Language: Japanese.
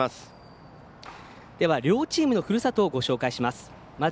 両チームのふるさとをご紹介します。